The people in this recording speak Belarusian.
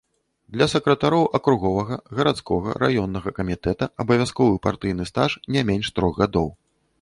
Для сакратароў акруговага, гарадскога, раённага камітэта абавязковы партыйны стаж не менш трох гадоў.